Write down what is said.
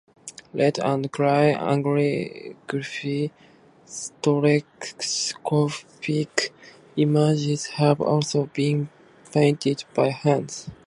Red-and-cyan anaglyph stereoscopic images have also been painted by hand.